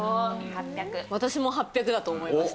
私も８００だと思いました。